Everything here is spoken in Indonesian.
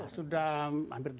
sudah hampir tujuh tahun